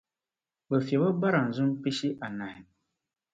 Bɛ fiɛbi o barazim pishi anahi.